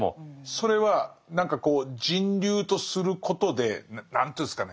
それは何かこう「人流」とすることで何ていうんですかね